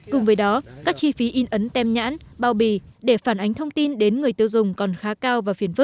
cùng với đó các chi phí in ấn tem nhãn bao bì để phản ánh thông tin đến người tiêu dùng còn khá cao